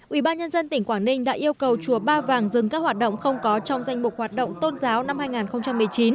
ủy ban nhân dân tỉnh quảng ninh đã yêu cầu chùa ba vàng dừng các hoạt động không có trong danh mục hoạt động tôn giáo năm hai nghìn một mươi chín